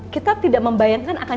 kita tidak membayangkan akan